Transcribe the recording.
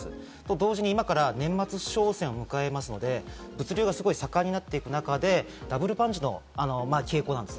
同時に今から年末商戦を迎えますので、物流は盛んになっていく中でダブルパンチの傾向なんです。